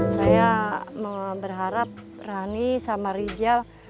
saya berharap rani sama rijal